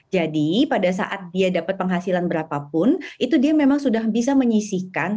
jadi pada saat dia dapat penghasilan berapapun itu dia memang sudah bisa menyisihkan